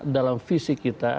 dalam visi kita